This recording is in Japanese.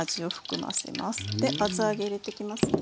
で厚揚げ入れてきますね。